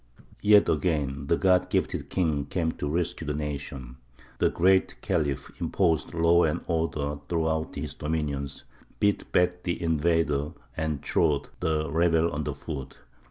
Yet again the God gifted king came to rescue the nation. The Great Khalif imposed law and order throughout his dominions, beat back the invader, and trod the rebel under foot.